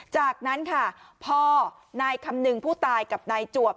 จากนั้นค่ะพอนายคำนึงผู้ตายกับนายจวบ